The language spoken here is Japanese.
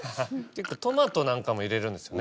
トマトなんかも入れるんですよね。